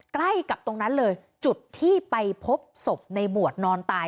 ใกล้กับตรงนั้นเลยจุดที่ไปพบศพในบวชนอนตาย